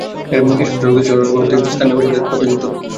এসব সড়ক দিয়ে চলাচল করতে গিয়ে স্থানীয় বাসিন্দাদের পোহাতে হচ্ছে দুর্ভোগ।